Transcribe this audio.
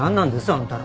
あんたら。